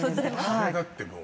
これだってもう。